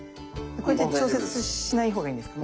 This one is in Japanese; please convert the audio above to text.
これって調節しないほうがいいんですか？